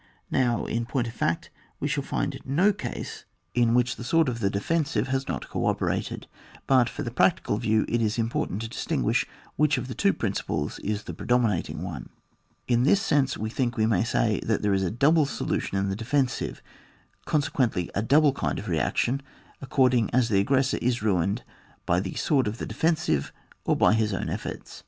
Now, in point of fact we shall find no case in which the sword of the defensive has not co operated; but, for the practical view, it is impor tant to distinguish which of the two principles is the predominating one. In this sense we think we may say that there is a double solution in the defensive, consequently a double kind of reaction, according as the aggressor is ruined by the Hoord of the defensive^ or by h%B own efforts.